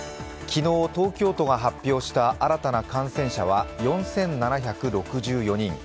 昨日、東京都が発表した新たな感染者は４７６４人。